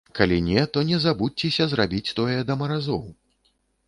Калі не, то не забудзьцеся зрабіць тое да маразоў.